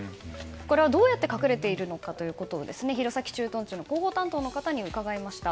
どうやって隠れているのかということを弘前駐屯地の広報担当の方に伺いました。